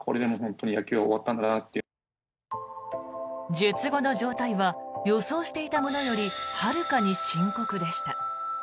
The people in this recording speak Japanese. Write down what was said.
術後の状態は予想していたものよりはるかに深刻でした。